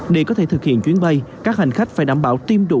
để có thể thực hiện chuyến bay các hành khách phải đảm bảo tiêm đủ hai mũi